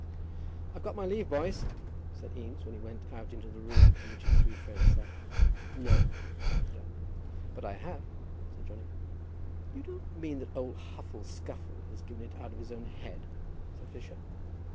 "I've got my leave, boys," said Eames when he went out into the room in which his three friends sat. "No!" said Cradell. "But I have," said Johnny. "You don't mean that old Huffle Scuffle has given it out of his own head?" said Fisher.